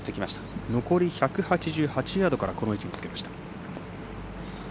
残り１８８ヤードからこの位置につけました。